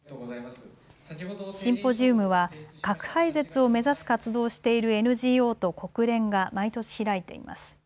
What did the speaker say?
シンポジウムは核廃絶を目指す活動をしているＮＧＯと国連が毎年開いています。